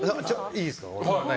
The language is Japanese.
いいですよ。